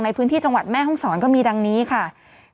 ในพื้นที่จังหวัดแม่ห้องศรก็มีดังนี้ค่ะ